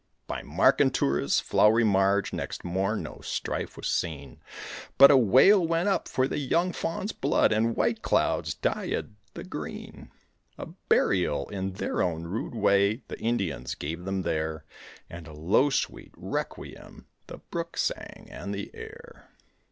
By Markentura's flowery marge next morn no strife was seen, But a wail went up, for the young Fawn's blood and White Cloud's dyed the green. A burial in their own rude way the Indians gave them there, And a low sweet requiem the brook sang and the air.